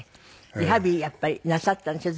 リハビリやっぱりなさったんでしょ？